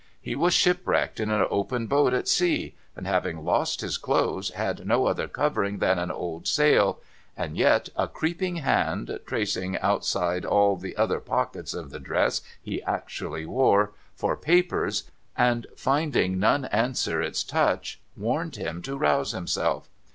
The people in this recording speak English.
He was shipwrecked in an open boat at sea, and having lost his clothes, had no other covering than an old sail ; and yet a creeping hand, tracing outside all the other pockets of the dress he actually wore, for papers, and finding none answer its touch, warned him to rouse himself.